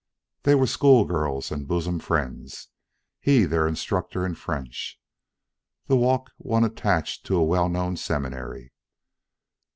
They were school girls and bosom friends; he their instructor in French; the walk one attached to a well known seminary.